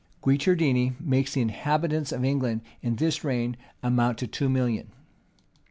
Guicciardini makes the inhabitants of England in this reign amount to two millions.